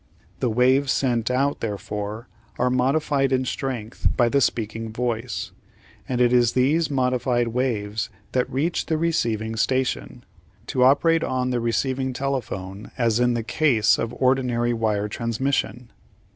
The waves sent out, therefore, are modified in strength by the speaking voice, and it is these modified waves that reach the receiving station, to operate on the receiving telephone as in the case of ordinary wire transmission.